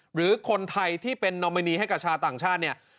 หรือคนไทยที่เป็นนอมินีให้กับชาวต่างชาติเนี่ย